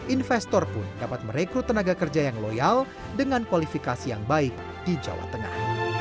investor pun dapat merekrut tenaga kerja yang loyal dengan kualifikasi yang baik di jawa tengah